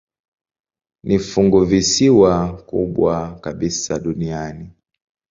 Ni funguvisiwa kubwa kabisa duniani.